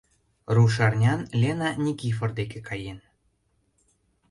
Рушарнян Лена Никифор деке каен.